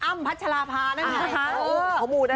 อ้ำพัชราพานั่นไง